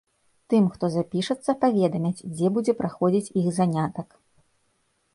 Тым, хто запішацца, паведамяць, дзе будзе праходзіць іх занятак.